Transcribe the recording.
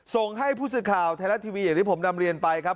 ส่งให้ผู้สื่อข่าวไทยรัฐทีวีอย่างที่ผมนำเรียนไปครับ